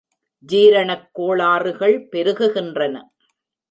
ஜீரணக் கோளாறுகள் பெருகுகின்றன.